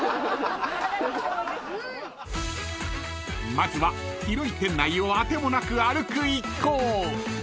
［まずは広い店内を当てもなく歩く一行］